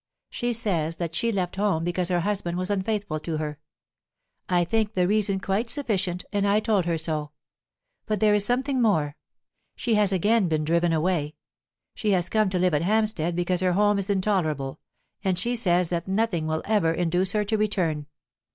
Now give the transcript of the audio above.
She says that she left home because her husband was unfaithful to her. I think the reason quite sufficient, and I told her so. But there is something more. She has again been driven away. She has come to live at Hampstead because her home is intolerable, and she says that nothing will ever induce her to return."